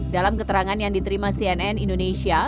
dalam keterangan yang diterima cnn indonesia